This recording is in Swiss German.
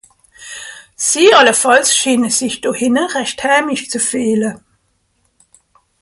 Sie àllefàlls schiine sich do hìnne rächt heimisch ze fìehle.